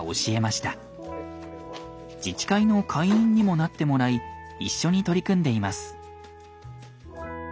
自治会の会員にもなってもらい一緒に取り組んでいます。